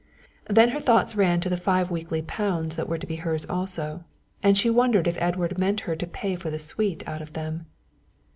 Then her thoughts ran to the five weekly pounds that were to be hers also, and she wondered if Edward meant her to pay for the suite out of them.